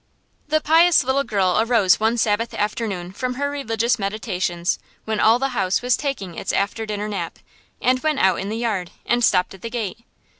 The pious little girl arose one Sabbath afternoon from her religious meditations, when all the house was taking its after dinner nap, and went out in the yard, and stopped at the gate.